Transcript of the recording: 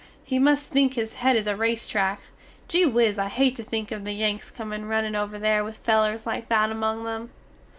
He must think his hed is a race track. Gee whiz I hate to think of the Yanks comin runnin over there with felers like that among them.